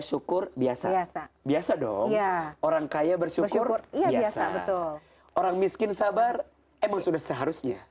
syukur biasa biasa dong orang kaya bersyukur biasa betul orang miskin sabar emang sudah seharusnya